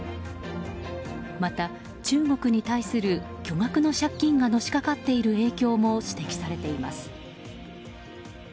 また、中国に対する巨額の借金がのしかかっている影響も指摘されています。